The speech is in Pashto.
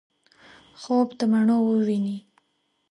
خوب دمڼو وویني